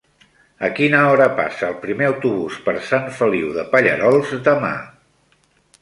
A quina hora passa el primer autobús per Sant Feliu de Pallerols demà?